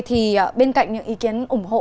thì bên cạnh những ý kiến ủng hộ